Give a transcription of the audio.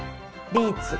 ビーツ。